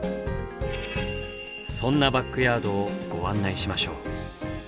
そんなバックヤードをご案内しましょう。